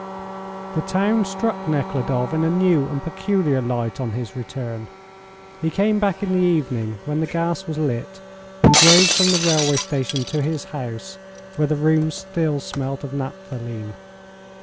The town struck Nekhludoff in a new and peculiar light on his return. He came back in the evening, when the gas was lit, and drove from the railway station to his house, where the rooms still smelt of naphthaline.